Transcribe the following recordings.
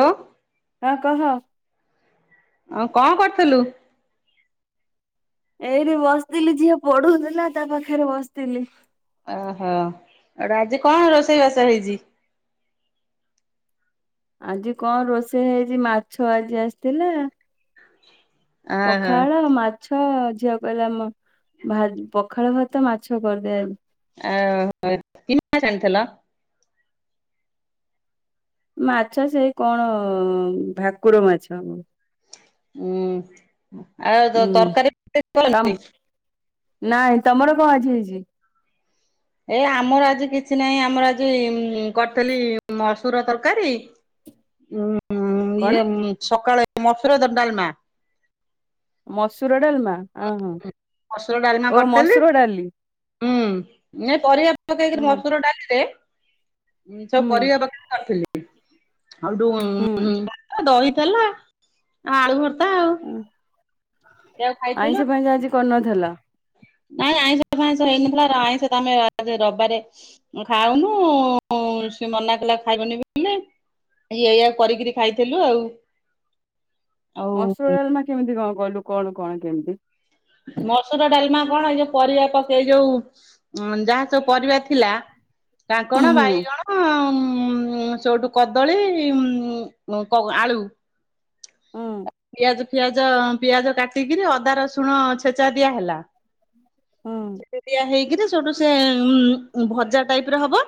ହଁ ଆ କହ। ଆଉ କଁ କରୁଥିଲୁ? ଏଇଠି ବସିଥିଲି ଝିଅ ପଢୁଥିଲା ତା ପାଖରେ ବସିଥିଲି। ଓହୋ ଆଉ ଏଟା ଆଜି କଣ ରୋଷେଇବାସ ହେଇଚି? ଆଜି କଣ ରୋଷେଇ ହେଇଚି, ମାଛ ଆଜି ଆସିଥିଲା। [unintelligible] ପଖାଳ, ମାଛ ଝିଅ କହିଲେ ମ-ଭା ପଖାଳ ଭାତାତ, ମା ଆହୋ କନ୍ ମାଛ ଆଣିଥିଲ? ମାଛ ସେଇ କଣ ଭାକୁର ମାଛ। ଉଁ ଆଉ ହୁଁ ତ-ତରକାରୀ ତମ [inaudible] ନାଇଁ ତମର କଣ ଆଜି ହେଇଚି? ଏ ଆମର ଆଜି କିଛି ନାହିଁ ଆମର ଆଜି ଇଁ-କ ଉଁ କଣ ଇଏ ସକାଳେ ମସୁର ଦ-ଡାଲମା। ମସୁର ଡାଲମା ଅହ ମସୁର ଡାଲମା ଓ କରିଥିଲି ମସ୍ ହୁଁ ନାଇ ପରିବା ପକେଇକିରି ମସୁର ଡାଲିରେ ଉଁ ସବୁ ହୁଁ ପରିବା ପକେଇକି କରିଥିଲି ଅ ହୁଁ। ଡୁନ୍ ଆ ଦହି ଦେଲା ଆଳୁ ଭର୍ତା ଉଁ ଖାଇଥିଲୁ। ଆଇଁଷି ଫାଇଁଁଷ ଆଜି କରନଥିଲା? ନାଇଁ ଆଇଁଷ ଫାଇଁଷ ହେଇନଥିଲା ଏରା ଆଇଁଷ ତମେ ଆ ରବାରେ ଖାଉନୁ ସିଏ ମନାକଲା ଖାଇବନି ବୋଲି ଇଏ ଏଇଆକୁ କରିକିରି ଖାଇଥିଲୁ ଆଉ। ଆଉ ମସୁର ଡାଲମା କେମିତି କଣ କ ମସୁର ଡାଲମା କଣ ଏଇ ଯୋଉ ପରିବା ପକେଇ-ଏଇ ଯୋଉ ଉଁ ଯାହାସବୁ ପରିବା ଥିଲା କାଙ୍କଣ, ହୁଁ ବାଇଗଣ ଉଁ ସେଉଠୁ କଦଳୀ ଉଁ କ-ଆଳୁ ହୁଁ। ପିଆଜ ଫିଆଜ ପିଆଜ କାଟିକିରି ଅଦା ରସୁଣ ଛେଚା ଦିଆ ହେଲା। ହୁଁ। ସେଠୁ ଦିଆହେଇକିରି ସେଉଠୁ ସିଏ ଭଜା ଟାଇପର ହବ।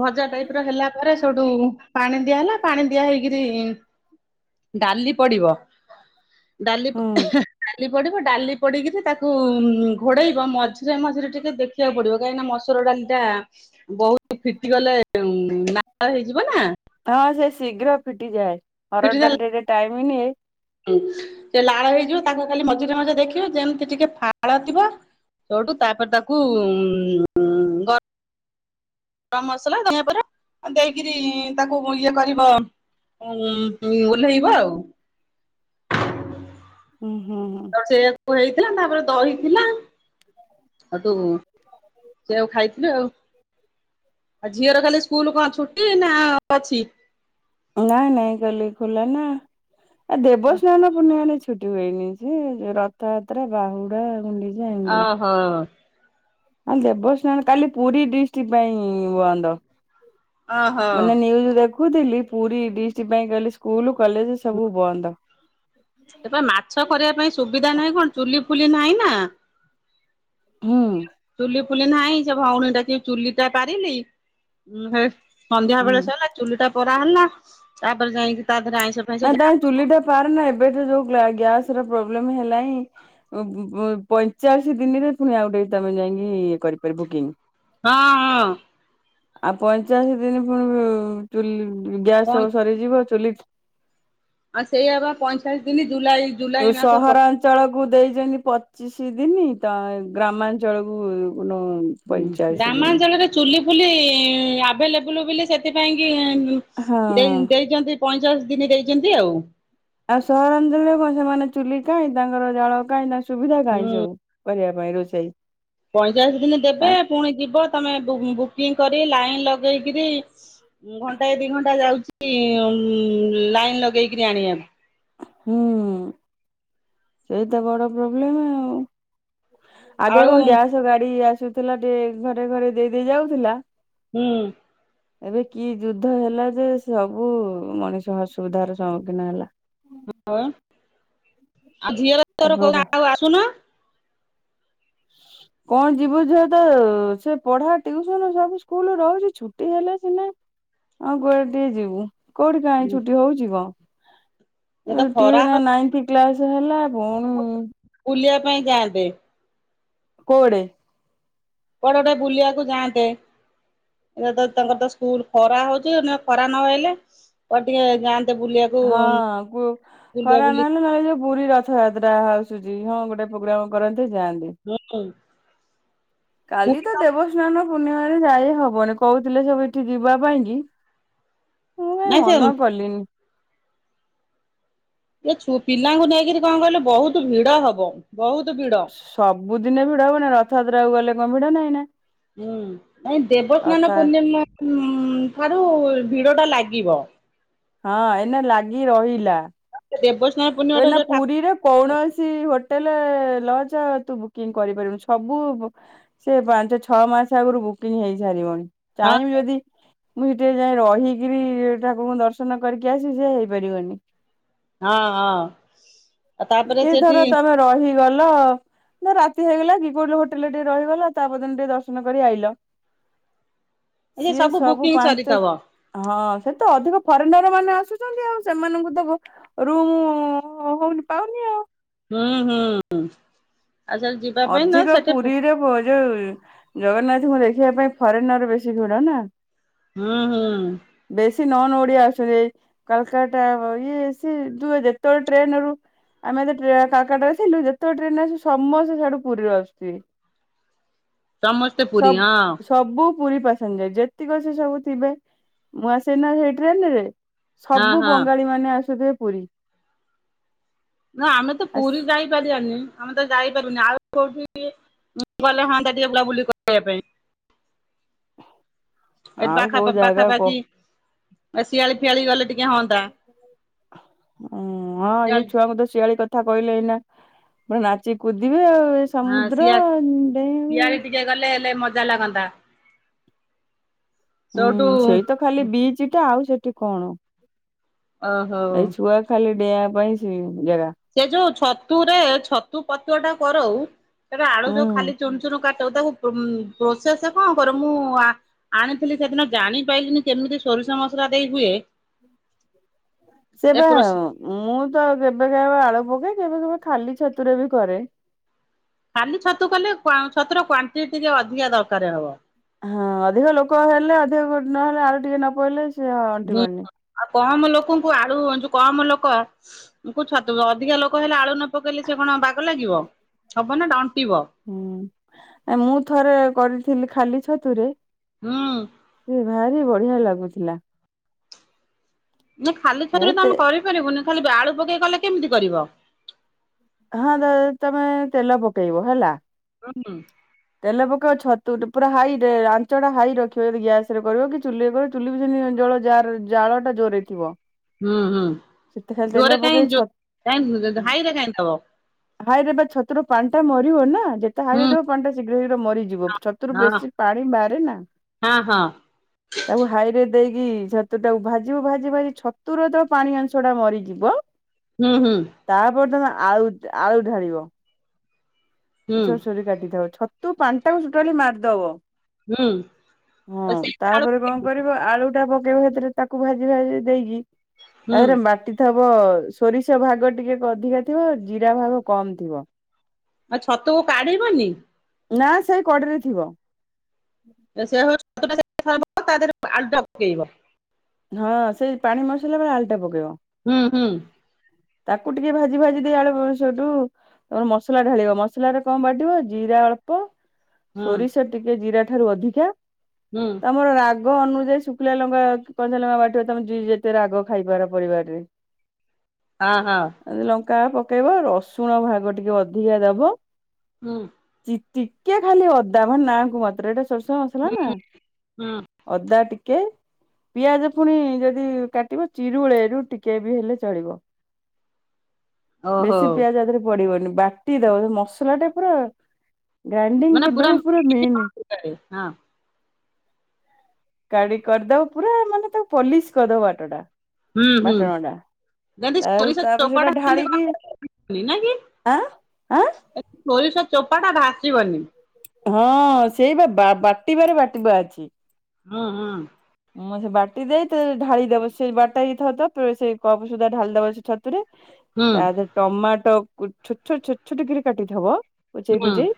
ଭଜା ଟାଇପର ହେଲା ପରେ ସେଉଠୁ ପାଣି ଦିଆହେଲା ପାଣି ଦିଆହେଇକରି ଡାଲି ପଡିବ ଡାଲି ହୁଁ ପ ଡାଲି ପଡିବ ଡାଲି ପଡିକିରି ତାକୁ ଘୋଡେଇ ମଝିରେ ମଝିରେ ଟିକେ ଦେଖିବାକୁ ପଡ୍ ଫିଟିଗଲେ ନାଳ ହେଇଯିବ ନା। ହରଡ ଡାଲିଟା ଟିକେ ଟାଇମି ନିଏ ହୁଁ ସେ ଲାଳ ହେଇଯିବ ତାକୁ ଖାଲି ମଝିରେ ମଝିରେ ଦେଖିବୁ ଯେମତି ଟିକେ ଫାଳ ଥିବ ସୋଉଠୁ ତାପରେ ତାକୁ ଗ ଗରମ ମସଲା ଧନିଆ ପତ୍ର ଦେଇକିରି ତାକୁ ଇଏ କରିବ ଉମ୍ ଓହ୍ଲେଇବ ଆଉ। ହୁଁ ହୁଁ ହୁଁ। ତାପରେ ସେଇଆକୁ ହେଇଥିଲା, ତାପରେ ଦହି ଥିଲା ଆଉ ତୁ ସେୟାକୁ ଖାଇଥିଲୁ ଆଉ। ଆଉ ଝିଅର କାଲି ସ୍କୁଲ କଣ ଛୁଟି ନା ଅଛି? ନାଇଁ ନାଇଁ କାଲି ଖୋଲା ନା। ଆ ଦେବସ୍ନାନ ପୂର୍ଣ୍ଣିମାରେ ଛୁଟି ହୁଏନି, ସେ ରଥଯାତ୍ରା, ବାହୁଡା, ଗୁଣ୍ଡି ଓହୋ। ହଁ ଦେବସ୍ନାନ କାଲି ପୁରୀ ଡିଷ୍ଟ୍ରିକ୍ଟ ପାଇଁ ବନ୍ଦ। ଓହୋ ମୁଁ ଏଇନା ନ୍ୟୁଜ୍ ଦେଖୁଥିଲି, ପୁରୀ ଡିଷ୍ଟ୍ ପାଇଁ କାଲି ସ୍କୁଲୁ କଲେଜେ ସବୁ ବନ୍ଦ। ସେପା ମାଛ କରିବା ପାଇଁ ସୁବିଧା ନାହିଁ, କଣ ଚୁଲି ଫୁଲି ନାହିଁ ନା ହୁଁ ଚୁଲି ଫୁଲି ନାହିଁ ସେ ଭଉଣୀକି ଡାକିକି ଚୁଲିଟା ପାରିଲି, ଉଁ ହେ ସନ୍ଧ୍ୟା ହୁଁ। ବେଳେ ସଇଲା, ଚୁଲି ଟା ପରା ହେଲା, ତାପରେ ଯାଇଁକି ତା ଦେହରେ ଆଇଁଷ ଫାଇଁଷ ନାଇଁ ଯାହା ତାଏ ଚୁଲିଟା ପାରେନା ଏବ ଏବେ ତ ଯୋଉ ଗ୍ଲା ଗ୍ୟାସର ପ୍ରୋବ୍ଲେମ ହେଲାଇଁ, ବୁ-ବୁ ପଇଁଚାଳିଶ ଦିନିରେ ପୁଣି ଆଉ ଗୋଟେ ତମେ ଯାଇଁକି ହଁ-ହଁ। ଆଉ ପଇଁଚାଳିଶୀ ଦିନି ପୁ-ପୁଣି ଚୁଲି ଗ୍ୟାସ ପଇଁ ସବୁ ସରିଯିବ, ଚୁଲି ଆଉ ସେୟା ବା ପଇଁଚାଳିଶ ଦିନି ସହରାଞ୍ଚଳକୁ ଦେଇଚନ୍ତି ପଚିଶ ଦିନି, ତ ଗ୍ରାମାଞ୍ଚଳକୁ ଉଁ ପଇଁଚାଳିଶ ଦିନ ଗ୍ରାମାଞ୍ଚଳରେ ଚୁଲି ଫୁଲି ଆଭେଲେବୁଲ ବିଲି, ସେଥିପାଇଁକି ଉଁ ହଁ ଦେଇ ଦେଇଚନ୍ତି ପଇଁଚାଳିଶ ଦିନି ଦେଇଚନ୍ତି ଆଉ। ଆଉ ସହରାଞ୍ଚଳରେ କଣ ସେମାନେ ଚୁଲି କାହିଁ ତାଙ୍କର, ଜାଳ କାହିଁ, ତା ସୁବିଧା କାହିଁ, ହୁଁ ସବୁ କରିବା ପାଇଁ ରୋଷେଇ। ପଇଁଚାଳିଶ ଦିନି ଦେବେ, ପୁଣି ଯିବ ତମେ ବୁ-ବୁକିଂ କରି ଲାଇନ ଲଗେଇକିରି ଘଣ୍ଟାଏ, ଦି ଘଣ୍ଟା ଯାଉଚି ଉମ୍ ଲାଇନ ଲଗେଇକିରି ଆଣିଆକୁ। ହୁଁ। ସେଇତ ବଡ ପ୍ରୋବ୍ଲେମ ଆଉ। ଆଗେ ଆଉ କଣ ଗ୍ୟାସ ଗାଡି ଆସୁଥିଲା, ଟିକେ ଘରେ ଘରେ ଦେଇ ଦେଇ ଯାଉଥିଲା ହୁଁ। ଏବେ କି ଯୁଦ୍ଧ ହେଲା ଯେ, ସବୁ ମଣିଷ ଅସୁବିଧାର ସମ୍ମୁଖୀନ ହେଲା। ହଁ ବା। ଆଉ ଝିଅର ତୋର ଏପଟେ କୋଉଦିନ ଆଉ ଆସୁନ? କଣ ଯିବୁ, ଝିଅ ତ ସେ ପଢା ଟିଉସନ ସବୁ ସ୍କୁଲ ରହୁଛି, ଛୁଟି ହେଲେ ସିନା ହଁ କୁଆଡ଼େ ଟିକେ ଯିବୁ। କୋଉଠି କାହିଁ ଛୁଟି ହଉଛିି ଙ୍କ? ଏ ଏଇ ତ ଟିକେ ଖରା ନ ନାଇଁଥି କ୍ଲାସ ହେଲା, ପୁଣି [unintelligible] ପାଇଁ ଯାଆନ୍ତେ। କୁଅଡେ? କୁଆଡ଼େ ଗୋଟେ ବୁଲିବାକୁ ଯାଆନ୍ତେ। ଇଏ ତ ତାଙ୍କର ତ ସ୍କୁଲ ଖରା ହଉଛି ଆଉ ଖରା ନହେଲେ, କୁଆଡେ ଟିକେ ଯାଆ ହଁ। କୁ ବୁଲା ଖରା ବୁଲି ନହେଲେ ନହେଲେ ଯୋଉ ପୁରୀ ରଥଯାତ୍ରା ହଉ ଆସୁଚି, ହଁ ଗୋଟେ ପୋଗ୍ରାମ କରନ୍ତେ ଯାଆନ୍ତେ। କାଲି ତ ଦେବସ୍ନାନ ପୂର୍ଣ୍ଣିମାରେ ଯାଇ ହବନି। କହୁଥିଲେ ସବୁ ଏଠି ଯିବା ପାଇଁକି ମୁଁ କାଇଁ ନାଇଁ ସେ ମନ କଲିନି। ଏ ଛୁ ପିଲାଙ୍କୁ ନେଇକରିକି କଣ କହିଲୁ, ବହୁତ ଭିଡ ହବ। ବହୁତ ଭିଡ ସବୁଦିନେ ଭିଡା ହବନି ରଥଯାତ୍ରା କୁ ଗଲେ କଣ ଭିଡା ନାହିଁ ନା। ହୁଁ ନାଇଁ ଦେବସ୍ନାନ ରଥ ପୂର୍ଣ୍ଣିମା ଠାରୁ ଭିଡ ଟା ଲାଗ କି ବ। ହଁ ଏନ ଲାଗି ରହିଲା। ଦେବସ୍ନାନ ପୂର୍ଣ୍ଣିମା ଟା ଏଇନେ ଯୋଉ ଠାକୁର ପୁରୀରେ କୌଣସି ହୋଟେଲ୍ ହୋଟେଲ ଲଜ ତୁ ବୁକିଙ୍ଗୀ କରିପାରିବୁନୁ ସବୁ ସେ ପାଞ୍ଚ ଛଅ ମାସ ଆଗରୁ ବୁ ବୁକିଙ୍ଗୀ ହେଇ ସାରିବନ ହଁ ଚାହିଁବି ଯଦି। ମୁଁ ସେଠି ଯାଇଏ ରହିକିରି ଠାକୁରଙ୍କୁ ଦର୍ଶନ କରିକି ଆସି ସେ ହେଇପାରିବନି। ହଁ-ହଁ। କି ଧର ତମେ ରହିଗଲ ନା ରାତି ହେଇଗଲା କି କୋଲ ହୋଟେଲରେ ଟିକେ ରହିଗଲ ତାପଦିନ ଟିକେ ଦର୍ଶନ କରି ଆଇଲ। [unintelligible] ଏ ସିଏ ସବୁ ବୁକିଂ ପାଞ୍ଚ ସରିଥବ ହଁ ସେ ତ ଅଧିକ। ଫରେନର ମାନେ ଆସୁଛନ୍ତି ଆଉ ସେମାନଙ୍କୁ ତ ରୁମ ହଉନି ପାଉନି ଆଉ। ହୁଁ ହୁଁ। ଆଉ ସେଠି ଯିବା ପାଇଁ ନା ଅଧିକ ସେଠି ହୁଁ ପୁରୀରେ ବଜ ହଉଛି ଜଗନ୍ନାଥଙ୍କୁ ଦେଖିବା ପାଇଁ ଫରେନର ର ବେଶୀ ଭିଡ଼ ନା। ହୁଁ ହୁଁ। ବେଶୀ ନନ୍ ଓଡିଆ ଅସଛନ୍ତି ଏଇ କାଲକାଟା ଇଏ ସିଏ ଯେତେବେଳେ ଟ୍ରେନ ରରୁ ଆମେ ଏ ତ କାଲକାଟ ଥିଲୁ ଯେତେବେଳେ ଟ୍ରେନ ଆସୁ ସମସ୍ତେ ସେଆଠୁ ପୁରୀରୁ ଆସୁଥିବେ। ସମସ୍ତେ ପୁରୀ ସବ୍ ହଁ। ସବୁ ପୁରୀ ପାସେଞ୍ଜର ଯେତିକି ସେ ସବୁ ଥିବେ ମୁଁ ଆସେନା ସେଇ ଟ୍ରେନ ରେ। ହଁ ସବୁ ହଁ ବଙ୍ଗାଳୀମାନୋନ ଆସୁଥେ ପୁରୀ। ନା ଆମେ ତ ଆସ୍ ପୁରୀ ଯାଇପାରାଵାନି ଆମେ ତ। ଯାଇପାରୁନି ଆଉ କୋଉଠି ଗଲେ ହନ୍ତା ଟିକେ ବୁଲା ବୁଲି କରିବା ପାଇଁ। ଏଠ ଆଉ ପାଖା କୋଉ ପାଖା ଜାଗା କହ ପାଖି ଶିଆଳି ଫିଆଳି ଗଲେ। ଟିକେ ହଅନ୍ତା। ଉଁ ହଁ ଏଇ ଶିଆଳି ଛୁଆଙ୍କୁ ଶିଆଳି କଥା କହିଲେ ଏଇନା ପୁଣି ନାଚି କୁଦି ଇଏ ହଁ ସମୁଦ୍ର ଶିଆ ଦେଇ ଶିଆଳି ଟିକେ ଗଲେ ହେଲେ ମଜା ଲାଗନ୍ତା ହୁଁ ସେଇଠୁ ସେଇ ତ ଖାଲି ବିଚ ଟା ଆଉ ସେଠି କଣ। ଓ ହୋ। ଡେଇଁଵା ପାଇଁ ସେ ଜାଗା ସେ ଯୋଉ ଛତୁରେ ଛତୁ ପତୁଆ ଟା କରଉ ସେଟା ଆଳୁ ହୁଁ ଯୋଉ ଖାଲି ଚୁନ ଚୁନ କାଟି ତାକୁ ପ୍ରୋସେସ କଣ କର ମୁଁ ଆଣିଥିଲି ସେଦିନ ଜାଣିପାରିଲି କେମିତି ସୋ ସୋରିଷ ମସଲା ଦେଇ ହୁଏ। ସେ ବା ପ୍ରୋ ମୁଁ ତ କେବେ କେ ଆଳୁ। କେ କେବେ କେବେ ଖାଲି ଛତୁରେ ବି କରେ। ଖାଲି ଛତୁ କଲେ ଛତୁର କ୍ଵାଣ୍ଟିଟି ଅଧିକା ଦରକାର ହବ। ହଁ ଅଧିକ ଲୋକ ହେଲେ ଅଧିକୋ ନହେଲେ ଆଳ ଟିକେ ନ ପେଇଲେ ସିଏ ହୁଁ ଅଣ୍ଟିବନି। ଆଉ କମ ଲୋକଙ୍କୁ ଆଳୁ ଯୋଉ କମ ଲୋକଙ୍କୁ ଛତୁ ଅଧିକା ଲୋକ ହେଲେ ଆଳୁ ନ ପକେଇଲେ ସେ କଣ ବାଗ ଲାଗିବ ହବନା ହୁଁ ମୁଁ ଥରେ କରିଥିଲି ଖାଲି ଛତୁରେ ହୁଁ। ସେ ଭାରି ବଢିଆ ଲାଗୁଥିଲା। ନା ଖାଲି ଏ ଛତୁରେ ତ ତେ ଆମେ କରିପାରିବୁନି ଖାଲି ଆଳୁ ପକେଇ ଗଲେ କେମିତି କରିବ। ହଁ ତମେ ତେଲ ପକେଇବ ହେଲା ହୁଁ ତେଲ ପକେଇବ ଛତ ପୁରା ହାଇରେ ଆଞ୍ଚ ଟା ହାଇ ରଖିବ ଯଦି ଗ୍ୟାସ ରେ କରିବ କି ଚୁଲିରେ କରିବ ଚୁଲି ବି ସେମତି ଜଳ ଯା ଜାଳଟା ଜୋରେଇଥିବ। ହୁଁ ହୁଁ ଜୋର କାଇଁ ଜୋ ହଇରେ କାହିଁ ଦବ। ହାଇଏରେ ବା ଛତ୍ରୁ ପାନ୍ଟା ମରୁ ହ ନା। ଯେତେ ହୁଁ ହାରିଦବ ପାଣି ଟା ଶୀଘ୍ର ଶୀଘ୍ର ମରିଯିବ ଛତରୁ ହଁ ବେଶୀ ପାଣି ବାହାରେ ନା। ହଁ ହଁ। ତାକୁ ହାଇରେ ଦେଇକି ଛତୁ ଟାକୁ ଭାଜିବୁ ଭାଜି ଭାଜି ଛତୁର ତ ପାଣି ଅଂଶ ଟା ମରିଯିବ ହୁଁ ହୁଁ ତାପରେ ତମେ ଆଳୁ ଆଳୁ ଢାଳିବ ହୁଁ ସୋରସୋରରେ କାଟିଦବ ଛତୁ ପାଣି ଟାକୁ ଟୋଟାଲି ମାରିଦବ ହୁଁ ହଁ ଆଉ ସେଇ ଆଳୁ ତାପରେ କଣ କରିବ ଆଳୁ ପକେଇବା ଭରେ ତାକୁ ଭାଜି ଭାଜି ଦେଇକି ହୁଁ ତାରେ ମାଟି ସୋରିଷ ଭାଗ ଟିକେ ଅଧିକା ଥିବ ଜିରା ଭାଗ କମ ଥିବ ଆଉ ଛତୁକୁ କାଢ଼ିବନି? ନା ସେଇ କଢେଇରେ ଥିବ। ସେ ସିଏ [unintelligible] ତା ଦେହରେ ଆଳୁ ଟା ପକେଇବ ହଁ ସେଇ ପାଣି ମସଲା ବେଳେ ଆଲଟା ପକେଇବ ହୁଁ ହୁଁ। ତାକୁ ଟିକେ ଭାଜି ଭାଜି ଦେଇ ଆଳୁ ସେଇଠୁ ତମର ମସଲା ଢାଳିବ ମସଲାଟରେ କଣ ବାଟିବ ଜିରା ଅଳ୍ପ ହୁଁ ସୋରିଷ ଟିକେ ଜିରା ଠାରୁ ଅଧିକା ହୁଁ। ତମର ରାଗ ରଗ ଅନୁଯାୟୀ ଶୁଖିଲା ଲଙ୍କା କହ ମା ବାଠ ତମେ ଯ ଯେତେ ରାଗ ଖାଇବାର ପରିବାରରେ ହଁ ହଁ। କାହା ପକେଇବ ରସୁଣ ଭାଗ ଟିକେ ଅଧିକା ଦବ ହୁଁ। ଚି ଟିକେ ଖାଲି ଅଦା ମାନେ ନାଁ କ ମାତ୍ର ଏଇଟା ସୋରଷ ମସଲା ହୁଁ ନା ହୁଁ ଅଦା ଟିକେ କେ ପିଆଜ ପୁଣି ଯଦି କାଟିବ ଚିରୁଳେଇରୁ ଟିକେ ବି ହେଲେ ଚଳିବ। ଓହୋ ବେଶୀ ପିଆଜ ଏଥିରେ ପଡିବନି ବାଟି ଦବ ମସଲା ଟା ପୁରା ଗ୍ରାଇଡିଙ୍ଗ ମାନେ କରିଦବ ପୁରା ମେନ ହଁ କାଡି କରିଦବ ପୁରା ମାନେ ତାକୁ ପଲିସ କରିଦବ ବାଟଟା ବାଟଣୋଟା ଗାଧି ସୋରିଷ ଚୋପାଟା କେଣ୍ଟି କଣ [unintelligible] ନା କି? ଆଁ ଆଁ ସୋରିଷ ଚୋପାଟା ଭାଜିବନି ହଁ ସେଇ ବା ବା ବାଟିବାରେ ବାଟିବା ଅଛି ହୁଁ ହୁଁ। ହଁ ସେ ବାଟି ଦେଇେ ଢାଳିଦବ ସେ ବାଟା ହେଇ ଥ ତ ସେ କପ ସୁଦ୍ଧା ଢାଳିଦବ ସେ ଛତୁରେ ହୁଁ ତାରେ ଟମାଟୋ ଛୋଟ ଛୋଟ ଛୋଟ ଛୋଟ କିରି କାଟିଥବ କୁଚେଇ ହୁଁ କୁଚେଇ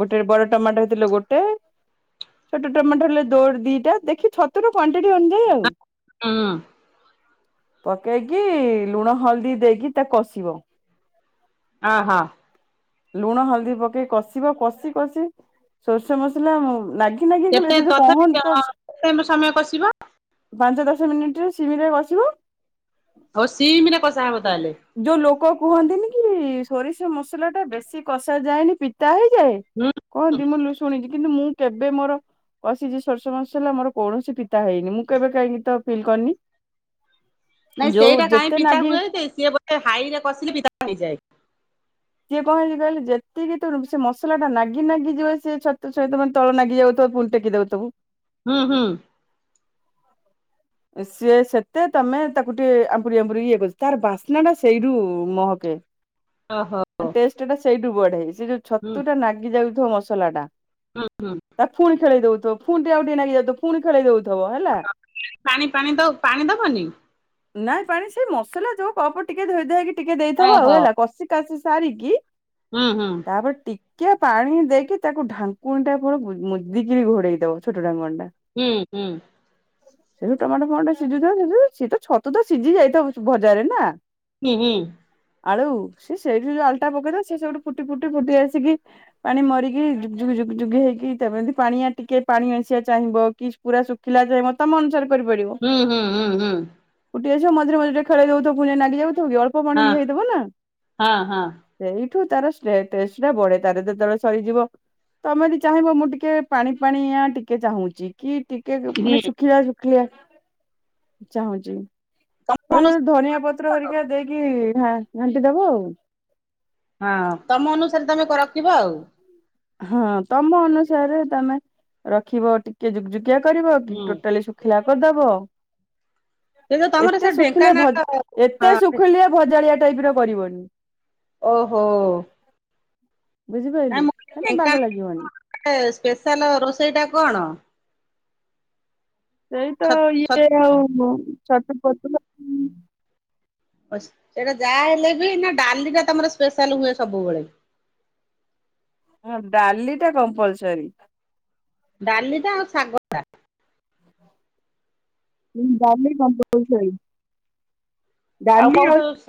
ଗୋଟେ ବଡ ଟମାଟୋ ହେଇଥିଲ ଗୋଟେ ଛୋଟ ଟମାଟୋ ହେଲେ ଦୋର ଦିଟା ଦେଖି ଛତୁର କ୍ଵଣ୍ଟିଟି ଅନୁଯାଇ ଆଉ ହୁଁ ପକେଇକି ଲୁଣ ହଳଦୀ ଦେଇକି ତା କଷିବ ଆହୋ। ଲୁଣ ହଳଦୀ ପକେଇ କଷିବ କଷି କଷି ସୋର୍ଷ ମସଲା ଲାଗି ନାଗି ନାଗି କେତେ ଗଲେ ତଥାପି କହନନ୍ତି ତ ଅ, କେତେ ସମୟ କଷିବ ପାଞ୍ଚ ଦଶ ମିନିଟରେ ସିମିରେ ବସିବ ଆଉ ସିମ୍ ରେ କଷା ହବ ତାହେଲେ ଯୋଉ ଲୋକ କୁହନ୍ତିନି କି ଥୋରି ସେ ମସଲା ଟା ବେଶୀ କଷ ଯାଏନି ପିତା ହେଇଯାଏ ହୁଁ କହନ୍ତି ମୁଁ ଶୁଣିଛି କିନ୍ତୁ ମୁଁ କେବେ ମୋର କସିଚି ସୋର୍ଷ ମସ ହେଲା ମୋର କୌଣସି ପିତା ହେଇନି ମୁଁ କେବେ କାହିଁକି ତ ଫିଲ୍ କରିନି। ହ ନାଇଁ ଯୋଉ ସେଇଟା କାହିଁ ଯେତେ ପିତା ନାଗି ହୁଏ। ସିଏ ବୋ ହାଇରେ କଷିଲେ ପିତା ହେଇଯାଏ। ସିଏ କଣ ହେଇଛି କହିଲେ ଯେତିକି ତୁଣ ସେ ମସଲା ଟା ନାଗି ନାଗିଯିବ ସ ଛତ ସତ ମାନେ ତଳ ନାଗି ଯାଉଥିବ ବୁ ଫୁଣି ଟେକି ଦୋଉଥିବୁ। ହୁଁ ହୁଁ। ସିଏ ସେତେ ତମେ ତାକୁ ଟିକେ ଆମ୍ପୁରି ଆମ୍ପୁରି ଇଏ କରିଚ ତାର ବାସ୍ନା ଟା ସେଇରୁ-ଉ-ଉ ମହକେ। ହ ଓହୋ ଟେଷ୍ଟ ଟା ସେଇଠୁ ବଢେ ସେ ଯୋଉ ହୁଁ ଛତୁ ଟା ନାଗି ଯାଉଥିବ ମସଲା ଟା। ହୁଁ ତା ପୁଣି ଖେଳେଇ ଦଉଥିବ ପୁଣି ଟିକେ ଆଉ ଟିକେ ନାଗି ଯାଉଥିବ ପୁଣି ଖେଳେଇ ଦଉ ପାଣି ପାଣି ଦ, ପାଣି ଦବନି? ନାଇଁ ପାଣି ସେଇ ମସଲା ଯୋଉ କପ ଟିକେ ଧୋଇ ଧାଇକି ଟିକେ ଦେଇଥିବ ଆଉ ଓହୋ ହେଲା କଷି କାଷି ସାରିକି ହୁଁ ହୁଁ। କିଆ ପାଣି ଦେଇକି ତାକୁ ଢାଙ୍କୁଣୀ ଟା ପର ମୁ ମୁଦିକିରି ଘୋଡେଇ ଦବ ଛୋଟ ଢାଙ୍କୁଣି ଟା। ହୁଁ ହୁଁ। ସେଠୁ ଟମାଟୋ ଫମାଟ ସିଝୁଥ ତ ସିଏ ଛତୁ ତ ସିଝି ଯାଇଥିବ ଭଜାରେ ନା ହୁଁ ହୁଁ। ଆଳୁ ସେ ସେଇଠି ଯୋଉ ଆଳୁ ଟା ପକେଇ ଦେବ ସେ ସେଉଠୁ ଫୁଟି ଫୁଟି ଫୁଟି ଆସିକି ପାଣି ମରିକି ଯୁଗୁ ଯୁଗୁ ଯୁଗୁ ଯୁଗୁ ହେଇ କି ତେମେ ଯଦି ପାଣିଆ ଟିକେ ପାଣିଆଂଶିଆ ଚାହିଁବ କି ପୁରା ଶୁଖିଲା ଚାହିଁବ ତମ ଅନୁସାରେ ହୁଁ ହୁଁ ହୁଁ ହୁଁ। ହେ ସେ ମଝିରେ ମଝିରେ ଟିକେ ଖେଳେଇ ଦଉଥିବ ଫୁଣି ଯାଇ ନାଗି ଯାଉଥିବ କି ଅଳ୍ପ ହଁ ପାଣି ଦିଆ ହେଇଥିବ ନା। ହଁ ହଁ। ସେଠୁ ତାର ଷ୍ଟେଟ୍ ଟେଷ୍ଟ ବଢେ ତାର ଯେତେବେଳେ ସରିଯିବ ତମେ ଯଦି ଚାହିଁବ ମୁଁ ଟିକେ ପାଣି ପାାଣିଆଁ ଟିକେ ଚାହୁଁଛି କି ଟିକେ ଏ-ଏ-ଏ ମାନେ ହୁଁ ଶୁଖିଲିଆ ଶୁଖିଲିଆ ଚାହୁଁଛି। ତମ ଅନ [unintelligible] ଧନିଆ ପତ୍ର ହେରିକା ଦେଇକି ଘା ଘାଣ୍ଟି ଦବ। ହଁ ତମ ଅନୁସାରେ ତମେ କ ରଖିବ ଆଉ। ହଁ ତମ ଅନୁସାରେ ତମେ ରଖିବ ଟିକେ ଯୁକ୍ ଯୁକ୍ କିଆ କରିବ କି ହୁଁ ଟୋଟାଲି ଶୁଖିଲା କରିଦବ। କିନ୍ତୁ ତମର ଏତେ ସେ ଶୁଖିଲିଆ ଢେଙ୍କାନାଳ ଭଜା, ହଁ ଏତେ ଶୁଖିଲିଆ ଭଜାଳିଆ ଟାଇପ ର କରିବନି। ଓହୋ ନାଇଁ ବୁଝିପାରିଲୁ? ମୁଁ ସେଟା ବାଗ ଲାଗିବନି। ଢେଙ୍କାନାଳ [inaudible] ସ୍ପେଶାଲ ରୋଷେଇ ଟା କଣ? ସେଇ ତ ଛ ଇଏ ଛତୁ ଆଉ ଛତୁ [unintelligible] ସେଟା ଯାହା ହେଲେ ବି ନା ଡାଲି ଟା ତମର ସ୍ପେଶାଲ ହୁଏ ସବୁବେଳେ। [inaudible] ହଁ ଡାଲି ଟା କମ୍ପଲସରି। ଡାଲି ଟା ଆଉ ଶାଗ ଟା। ହୁଁ ଡାଲି କମ୍ପଲସରି। ଆଉ କୋଉ [unintelligible]